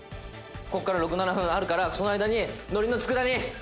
ここから６７分あるからその間に海苔の佃煮！」